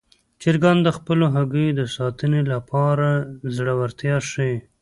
چرګان د خپلو هګیو د ساتنې لپاره زړورتیا ښيي.